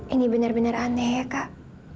ini benar benar aneh kak